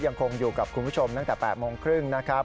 ยังคงอยู่กับคุณผู้ชมตั้งแต่๘โมงครึ่งนะครับ